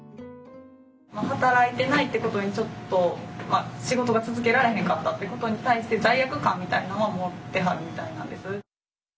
働いてないってことにちょっと仕事が続けられへんかったということに対して罪悪感みたいなんは持ってはるみたいなんです。